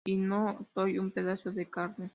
Y no soy un pedazo de carne".